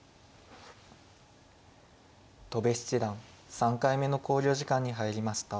戸辺七段３回目の考慮時間に入りました。